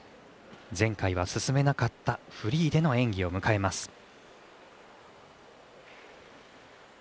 前回は進めなかったフリーでの演技を迎えます。